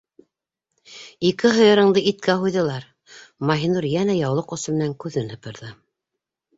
Ике һыйырыңды иткә һуйҙылар, - Маһинур йәнә яулыҡ осо менән күҙен һыпырҙы.